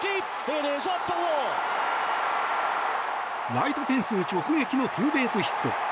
ライトフェンス直撃のツーベースヒット。